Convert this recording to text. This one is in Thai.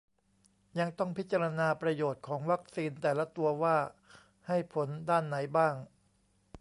ยังต้องพิจารณาประโยชน์ของวัคซีนแต่ละตัวว่าให้ผลด้านไหนบ้าง